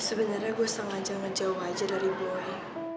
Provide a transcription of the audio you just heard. sebenernya gue sengaja menjauh aja dari boy